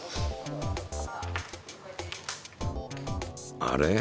あれ？